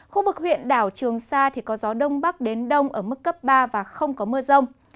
khu vực huyện đảo trường sa có gió đông bắc đến đông ở mức cấp ba và không có mưa rông